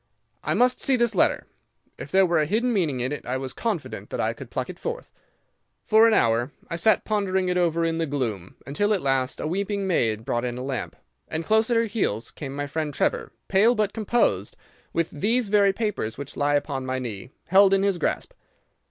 I must see this letter. If there were a hidden meaning in it, I was confident that I could pluck it forth. For an hour I sat pondering over it in the gloom, until at last a weeping maid brought in a lamp, and close at her heels came my friend Trevor, pale but composed, with these very papers which lie upon my knee held in his grasp.